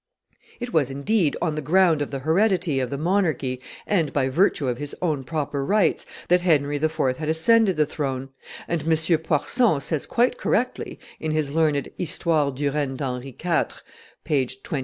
It was, indeed, on the ground of the heredity of the monarchy and by virtue of his own proper rights that Henry IV. had ascended the throne; and M. Poirson says quite correctly, in his learned Histoire du Regne d'Henri IV. [t. i. p.